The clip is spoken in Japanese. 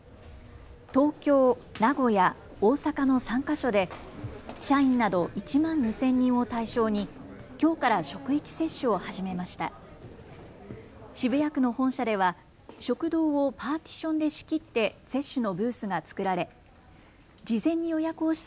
東京、名古屋、大阪の３か所で社員など１万２０００人を対象にきょうから職域接種を始めました。